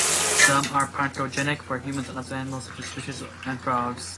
Some are pathogenic for humans and other animals such as fishes and frogs.